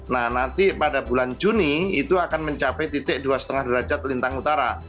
nah nanti pada bulan juni itu akan mencapai titik dua lima derajat lintang utara